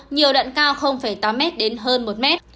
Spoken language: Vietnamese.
nhiều đoạn cao tám m đến hơn một m